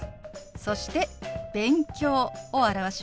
そして「勉強」を表します。